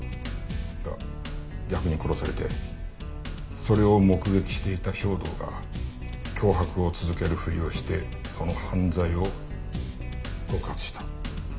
が逆に殺されてそれを目撃していた兵働が脅迫を続けるふりをしてその犯罪を告発した。